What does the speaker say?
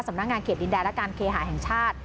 นักงานเขตดินแดนและการเคหาแห่งชาติ